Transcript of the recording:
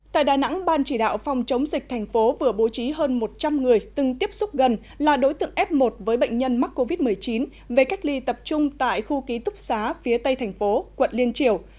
tại đà nẵng ban chỉ đạo phòng chống dịch thành phố vừa bố trí hơn một trăm linh người từng tiếp xúc gần là đối tượng f một với bệnh nhân mắc covid một mươi chín về cách ly tập trung tại khu ký túc xá phía tây thành phố quận liên triều